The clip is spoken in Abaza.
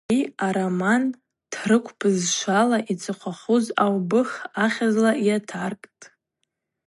Ари ароман трыкв бызшвала "Йцӏыхъвахуз аубых" ахьызта йатаркӏтӏ.